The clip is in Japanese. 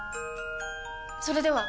それでは！